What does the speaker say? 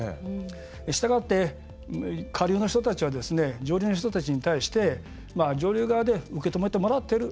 したがって、下流の人たちは上流の人たちに対して上流側で受け止めてもらってる。